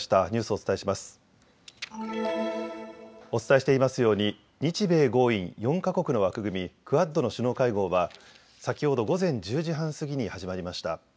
お伝えしていますように日米豪印４か国の枠組みクアッドの首脳会合は先ほど午前１０時半過ぎに始まりました。